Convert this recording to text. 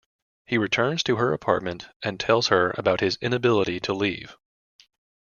He returns to her apartment and tells her about his inability to leave.